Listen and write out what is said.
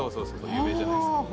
有名じゃないですか？